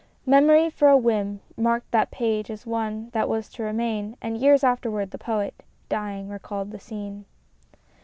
Memory for a whim marked that page as one that was to remain, and years afterwards the Poet, dying, recalled the scene.